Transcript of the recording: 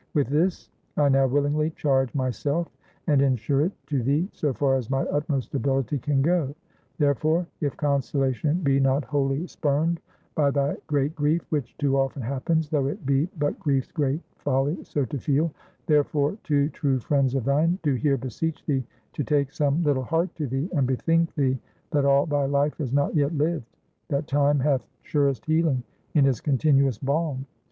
With this, I now willingly charge myself, and insure it to thee, so far as my utmost ability can go. Therefore if consolation be not wholly spurned by thy great grief, which too often happens, though it be but grief's great folly so to feel therefore, two true friends of thine do here beseech thee to take some little heart to thee, and bethink thee, that all thy life is not yet lived; that Time hath surest healing in his continuous balm.